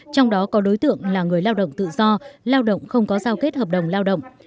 trong đó có đối tượng là người lao động tự do lao động không có giao kết hợp đồng lao động